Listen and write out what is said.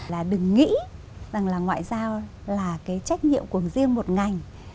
là đừng nghĩ rằng là ngoại giao là cái trách nhiệm của riêng một ngành